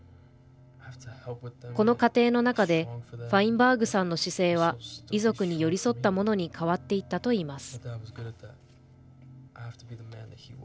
この過程の中でファインバーグさんの姿勢は遺族に寄り添ったものに変わっていったと言います。